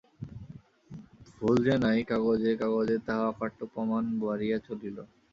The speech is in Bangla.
ভুল যে নাই, কাগজে কাগজে তাহার অকাট্য প্রমাণ বাড়িয়া চলিল।